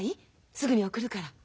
すぐに送るから。